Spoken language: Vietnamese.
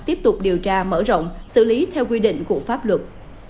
tiếp tục điều tra mở rộng xử lý theo quy định của pháp luật